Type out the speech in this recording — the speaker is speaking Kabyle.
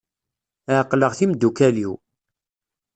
Ɛeqleɣ timeddukal-iw.